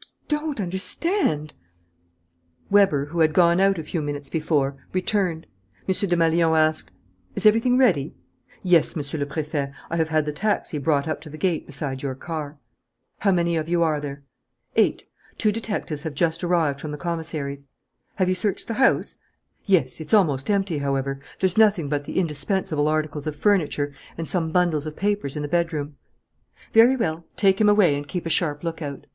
I don't understand " Weber, who had gone out a few minutes before, returned. M. Desmalions asked: "Is everything ready?" "Yes, Monsieur le Préfet, I have had the taxi brought up to the gate beside your car." "How many of you are there?" "Eight. Two detectives have just arrived from the commissary's." "Have you searched the house?" "Yes. It's almost empty, however. There's nothing but the indispensable articles of furniture and some bundles of papers in the bedroom." "Very well. Take him away and keep a sharp lookout."